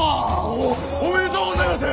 おお！おめでとうございます！